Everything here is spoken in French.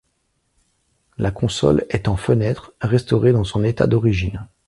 La console est en fenêtre, restaurée dans son état d'origine.